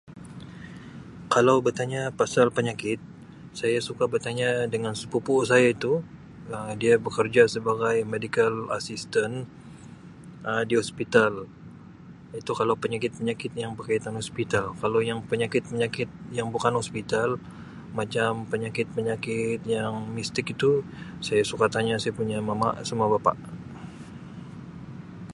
Kalau betanya pasal penyakit saya suka betanya dengan sepupu saya iaitu lah dia bekerja sebagai medical assistant Um di hospital itu kalau penyakit penyakit yang berkaitan hospital kalau yang penyakit- penyakit yang bukan hospital macam penyakit-penyakit yang mistik itu saya suka tanya saya punya mama sama bapa.